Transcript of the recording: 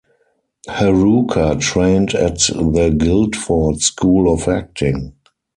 Haruka trained at the Guildford School of Acting.